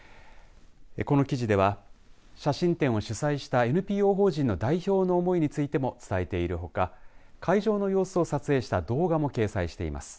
この記事では写真展を主催したＮＰＯ法人の代表の思いについても伝えているほか会場の様子を撮影した動画も掲載しています。